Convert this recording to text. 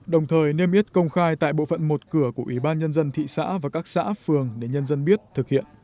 đồng thời niêm yết công khai tại bộ phận một cửa của ủy ban nhân dân thị xã và các xã phường để nhân dân biết thực hiện